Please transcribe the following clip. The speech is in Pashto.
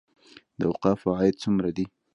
د اوقافو عاید څومره دی؟